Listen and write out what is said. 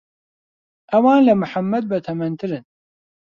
ئەوان لە محەممەد بەتەمەنترن.